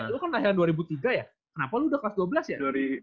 lu kan akhir dua ribu tiga ya kenapa lu udah kelas dua belas ya